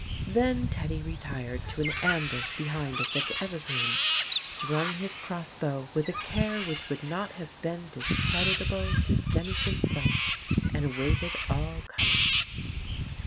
Then Teddy retired to an ambush behind a thick eversfreen, strung his cross bow with a care which would not o o have been discreditable to Denys himself, and awaited all comers.